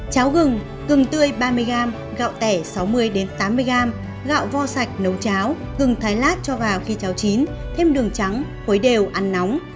cháo gừng gừng tươi ba mươi gram gạo tẻ sáu mươi tám mươi gram gạo vo sạch nấu cháo gừng thái lát cho vào khi cháo chín thêm đường trắng khối đều ăn nóng